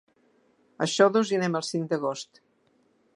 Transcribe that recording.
A Xodos hi anem el cinc d'agost.